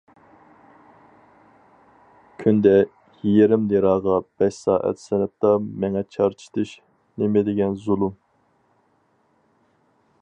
كۈندە يېرىم لىراغا بەش سائەت سىنىپتا مېڭە چارچىتىش نېمىدېگەن زۇلۇم!